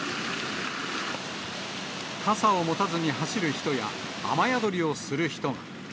傘を持たずに走る人や、雨宿りをする人が。